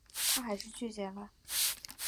她还是拒绝了